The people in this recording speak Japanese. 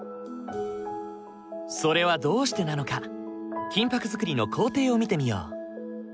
それはどうしてなのか金ぱく作りの工程を見てみよう。